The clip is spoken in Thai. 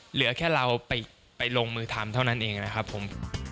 เหลือแค่เราไปลงมือทำเท่านั้นเองนะครับผม